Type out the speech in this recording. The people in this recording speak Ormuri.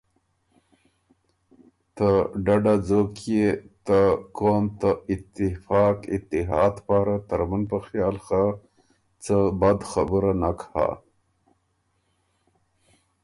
ته ډډ ا ځوک يې ته قوم ته اتفاق اتحاد پاره ترمُن په خیال خه څه بد خبُره نک هۀ۔